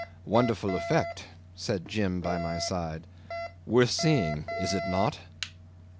"Wonderful effect," said Jim by my side. "Worth seeing. Is it not?"